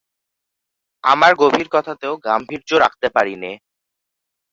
আমার গভীর কথাতেও গাম্ভীর্য রাখতে পারি নে।